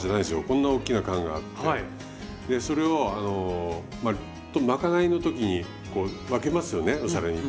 こんな大きな缶があってでそれを賄いの時に分けますよねお皿に。